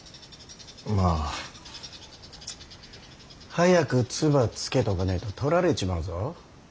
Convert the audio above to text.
まあ。早く唾つけとかねえと取られちまうぞ。